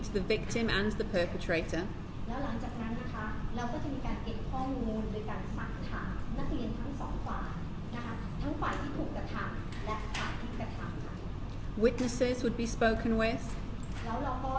ก็จะมีการกำหนดบนโรงโทษที่ส่งเหตุของคน